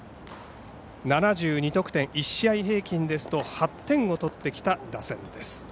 ７２得点、１試合平均ですと８点を取ってきた打線です。